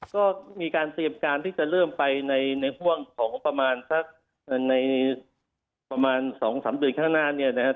ก็มีการเตรียมการที่จะเริ่มไปในห่วงของประมาณสักในประมาณ๒๓เดือนข้างหน้าเนี่ยนะครับ